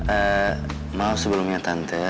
eh maaf sebelumnya tante